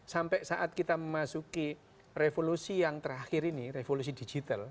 sampai saat kita memasuki revolusi yang terakhir ini revolusi digital